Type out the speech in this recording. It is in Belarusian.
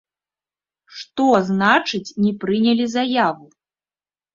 Што значыць не прынялі заяву?